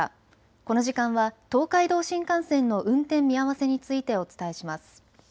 この時間は東海道新幹線の運転見合わせについてお伝えします。